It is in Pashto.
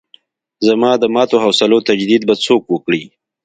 زما د ماتو حوصلو تجدید به څوک وکړي.